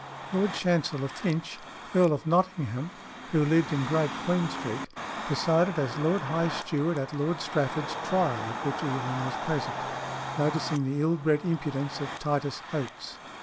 Lord Chancellor Finch, Earl of Nottingham, who lived in Great Queen Street, presided as Lord High Steward at Lord Strafford's trial, at which Evelyn was present, noticing the ill bred impudence of Titus Oates.